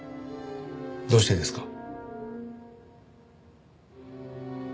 どうしてですか？